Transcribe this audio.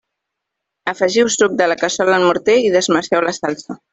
Afegiu suc de la cassola al morter i desmarxeu la salsa.